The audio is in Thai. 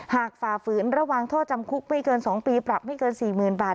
หากฝ่าฝืนระหว่างท่อจำคุกไม่เกินสองปีปรับไม่เกินสี่หมื่นบาท